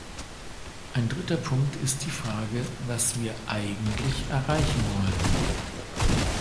Ein dritter Punkt ist die Frage, was wir eigentlich erreichen wollen.